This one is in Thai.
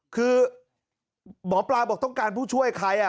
คือหมอปลาบอกต้องการผู้ช่วยใคร